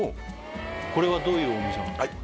これはどういうお味噌なんでしょうか？